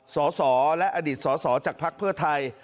สสและอดีตสอสอจากภักดิ์เพื่อไทย